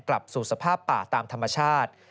กลับสู่สภาพป่าตามธรรมชาติ